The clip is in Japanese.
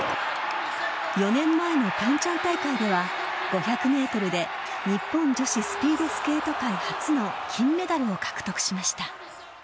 ４年前のピョンチャン大会では、５００メートルで日本女子スピードスケート界初の金メダルを獲得しました。